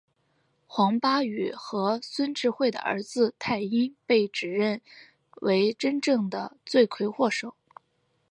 黄巴宇和孙智慧的儿子泰英被指认为真正的罪魁祸首。